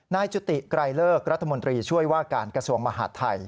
นายจุติไกรเลิกรัฐมนตรีช่วยว่าการกระทรวงมหาดไทย